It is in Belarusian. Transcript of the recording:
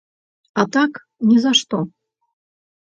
А так, ні за што.